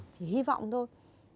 thì hy vọng thôi